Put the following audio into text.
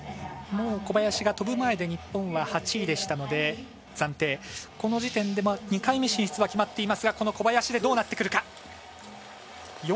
小林が飛ぶ前で８位でしたのでこの時点で２回目進出は決まっていますがこの小林でどうなってくるか。